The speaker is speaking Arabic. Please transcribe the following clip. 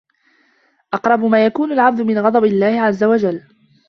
أَقْرَبُ مَا يَكُونُ الْعَبْدُ مِنْ غَضَبِ اللَّهِ عَزَّ وَجَلَّ